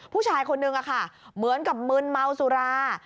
ผู้ชายคนนึงค่ะเหมือนกับมึนเมาสุรา